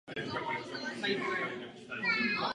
Jeho největší zálibou bylo kouření dýmky a hra na housle.